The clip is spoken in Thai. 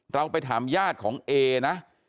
เราไปถามญาติของเอนะ